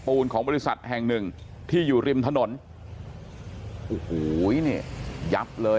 ของบริษัทแห่งหนึ่งที่อยู่ริมถนนโอ้โหนี่ยับเลย